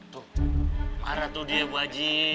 tuh marah tuh dia bu aji